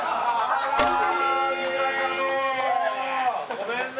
ごめんね。